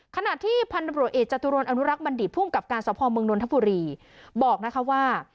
ขนาดที่พันธุโรเอจจตุรนย์อนุรักษ์บัณฑิภูมิกับการสภอมเมืองนทภุรีบอกนะคะว่า